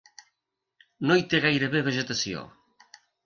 No hi té gairebé vegetació.